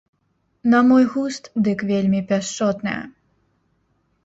На мой густ, дык вельмі пяшчотнае.